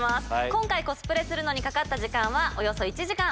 今回コスプレするのにかかった時間はおよそ１時間。